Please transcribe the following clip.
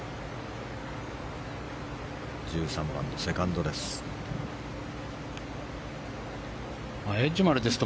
１３番、セカンドです。